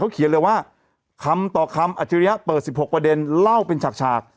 เขเขียนเลยว่าคำต่อคำอเตรียเปิด๑๖ประเด็นเหล้าเป็นฉาคฉา